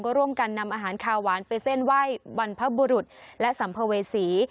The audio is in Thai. ก็ร่วมกันนำอาหารคาหวานไปเส้นไหว้บรรพบุรุษและสัมภเวษี